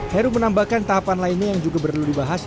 heru menambahkan tahapan lainnya yang juga perlu dibahas